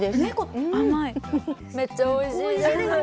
めっちゃおいしいです。